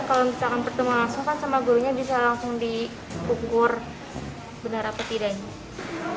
kalau misalkan pertemuan langsung kan sama gurunya bisa langsung diukur benar apa tidak ini